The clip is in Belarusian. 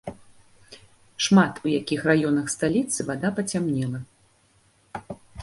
Шмат у якіх раёнах сталіцы вада пацямнела.